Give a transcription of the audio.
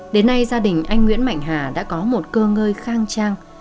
đến nay gia đình anh nguyễn mạnh hà đã có một cơ ngơi khang trang